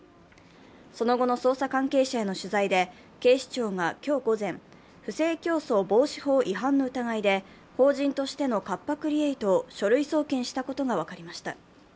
その後の捜査関係者への取材で、警視庁が今日午前、不正競争防止法違反の疑いで、法人としてのカッパ・クリエイトを書類送検したことが分かりました。